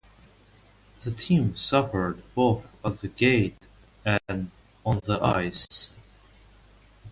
The team suffered both at the gate and on the ice.